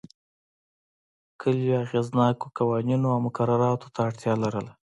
کلیو اغېزناکو قوانینو او مقرراتو ته اړتیا لرله